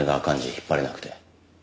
引っ張れなくて。